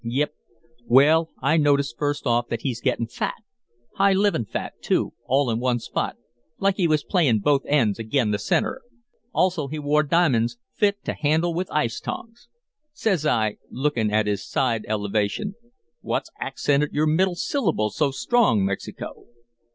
"Yep! Well, I noticed first off that he's gettin fat; high livin' fat, too, all in one spot, like he was playin' both ends ag'in the centre. Also he wore di'mon's fit to handle with ice tongs. "Says I, lookin' at his side elevation, 'What's accented your middle syllable so strong, Mexico?'